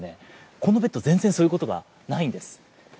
このベッド、全然そういうことがないんです。